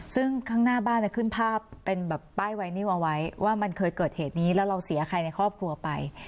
ซึ่งข้างหน้าบ้านจะขึ้นภาพเป็นแบบป้ายไวนิวเอาไว้ว่ามันเคยเกิดเหตุนี้แล้วเราเสียใครในครอบครัวไป